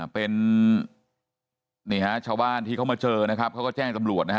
เป็นนี่ฮะชาวบ้านที่เขามาเจอนะครับเขาก็แจ้งตำรวจนะฮะ